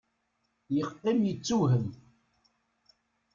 Yeqqim yettewhem.